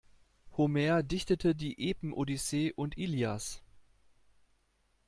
Homer dichtete die Epen-Odyssee und Ilias.